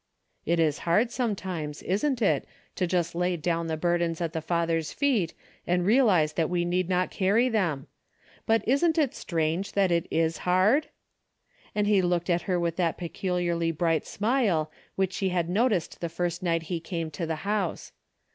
" It is hard sometimes, isn't it, to just lay down the burdens at the Father's feet and realize that we need not carry them ? But isn't it strange that it is hard ?" And he looked at her with that peculiarly bright smile which she had noticed the first night he came to the house.